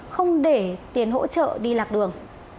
không để tiền hỗ trợ đi lạc đường